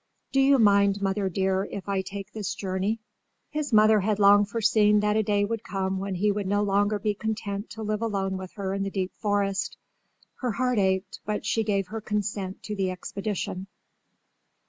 Do you mind, mother dear, if I take this journey?" His mother had long foreseen that a day would come when he would no longer be content to live alone with her in the deep forest. Her heart ached but she gave her consent to the expedition.